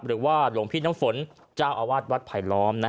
หรือว่าหลวงพี่น้ำฝนเจ้าอาวาสวัดไผลล้อม